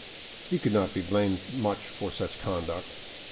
He could not be blamed much for such conduct.